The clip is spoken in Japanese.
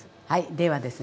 ではですね